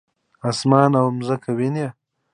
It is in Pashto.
اسمان او مځکه وینې؟